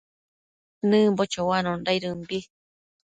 Nëmbo choanondaidëmbi